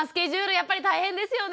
やっぱり大変ですよね？